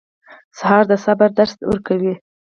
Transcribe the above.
سهار د صبر درس ورکوي.